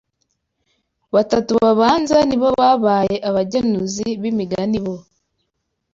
Batatu babanza ni bo babaye abagenuzi b’imigani bo